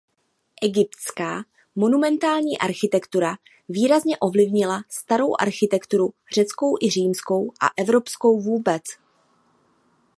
Egyptská monumentální architektura výrazně ovlivnila starou architekturu řeckou i římskou a evropskou vůbec.